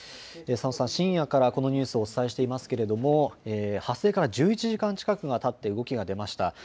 佐野さん、深夜からこのニュースをお伝えしていますけれども、発生から１１時間近くがたって動きが出ました。